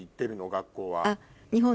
学校は。